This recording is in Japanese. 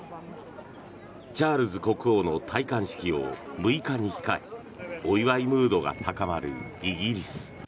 チャールズ国王の戴冠式を６日に控えお祝いムードが高まるイギリス。